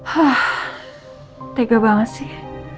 hah tega banget sih